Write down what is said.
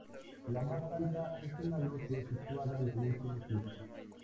La más alta es una logia situada en el último piso.